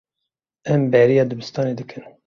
Em bêriya dibistanê dikin.